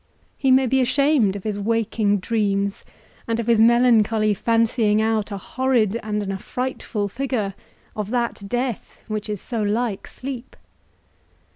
he may be ashamed of his waking dreams, and of his melancholy fancying out a horrid and an affrightful figure of that death which is so like sleep.